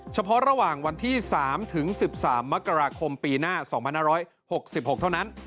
เฉพาะระหว่างวันที่๓ถึง๑๓มกราคมปีหน้า๒๕๖๖เท่านั้น